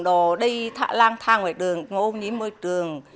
đồ đi lang thang ngoài đường ô nhiễm môi trường